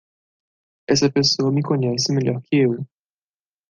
Essa pessoa me conhece melhor que eu.